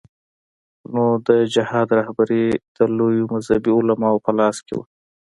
نو د جهاد رهبري د لویو مذهبي علماوو په لاس کې وه.